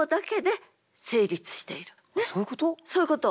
そういうこと。